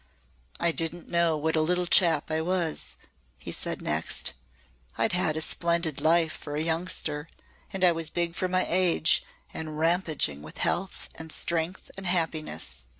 "I didn't know what a little chap I was," he said next. "I'd had a splendid life for a youngster and I was big for my age and ramping with health and strength and happiness.